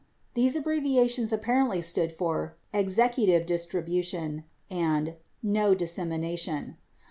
These abbreviations apparently stood for "Executive Distribution" and "No Dissemination."